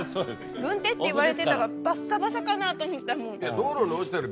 軍手って言われてたからバッサバサかなと思ったらもう。